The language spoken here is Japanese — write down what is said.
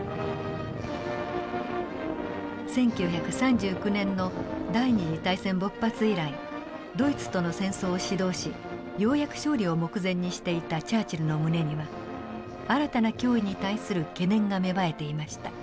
１９３９年の第二次大戦勃発以来ドイツとの戦争を指導しようやく勝利を目前にしていたチャーチルの胸には新たな脅威に対する懸念が芽生えていました。